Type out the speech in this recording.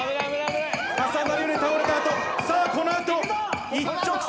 重なるように倒れたあと、さあ、このあと、一直線。